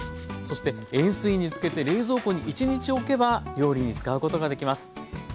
そして塩水に漬けて冷蔵庫に１日おけば料理に使うことができます。